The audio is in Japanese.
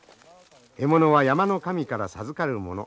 獲物は山の神から授かるもの。